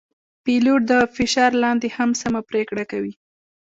پیلوټ د فشار لاندې هم سمه پرېکړه کوي.